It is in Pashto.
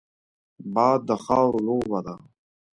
باد د خاورو لوبه ده